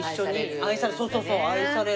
愛される。